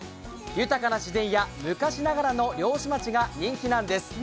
豊かな自然や昔ながらの漁師町が人気なんです。